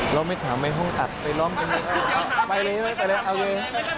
เกิดให้หนุ่มไม้ก็เปล่าอย่าไปฟังกันนะคะ